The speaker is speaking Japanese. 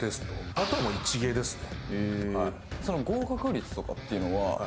あとはもう一芸ですね